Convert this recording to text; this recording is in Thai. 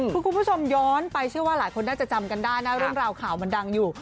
คือคุณผู้ชมย้อนไปเชื่อว่าหลายคนน่าจะจำกันได้นะเรื่องราวข่าวมันดังอยู่